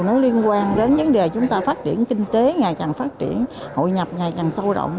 nó liên quan đến vấn đề chúng ta phát triển kinh tế ngày càng phát triển hội nhập ngày càng sâu rộng